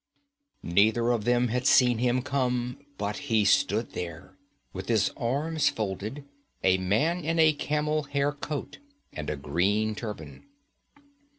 Neither of them had seen him come, but he stood there, with his arms folded, a man in a camel hair robe and a green turban.